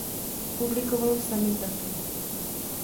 Publikoval v samizdatu.